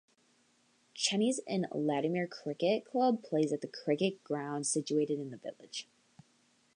Chenies and Latimer Cricket Club plays at the cricket ground situated in the village.